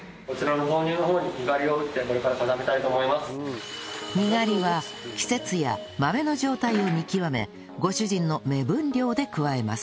にがりは季節や豆の状態を見極めご主人の目分量で加えます